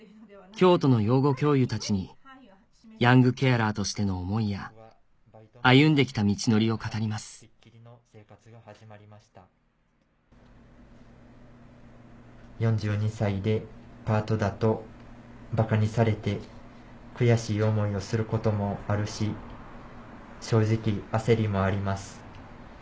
京都の養護教諭たちにヤングケアラーとしての思いや歩んで来た道のりを語ります４２歳でパートだとバカにされて悔しい思いをすることもあるし正直焦りもあります。